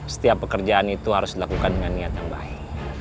setiap pekerjaan itu harus dilakukan dengan niat yang baik